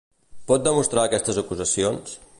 Pot demostrar aquestes acusacions?